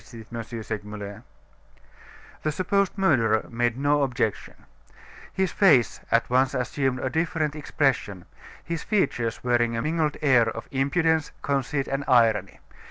"Obey me, if you please," insisted M. Segmuller. The supposed murderer made no objection. His face at once assumed a different expression, his features wearing a mingled air of impudence, conceit, and irony.